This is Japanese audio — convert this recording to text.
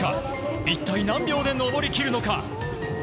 一体、何秒で登りきるのか。